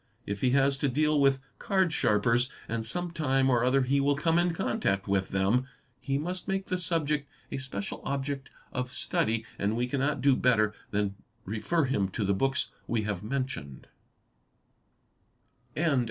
If he has to deal with card sharpers—and sometime or other he will come in contact with them—he must make the subject a special object of study and we cannot do better than refer him to the books we have mentioned.